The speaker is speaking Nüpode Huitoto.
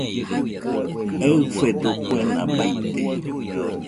Eɨfedo kuena baite